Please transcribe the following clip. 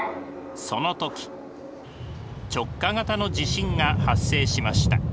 その時直下型の地震が発生しました。